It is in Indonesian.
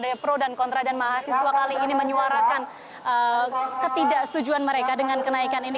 dari pro dan kontra dan mahasiswa kali ini menyuarakan ketidaksetujuan mereka dengan kenaikan ini